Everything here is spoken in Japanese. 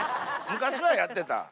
昔はやってた。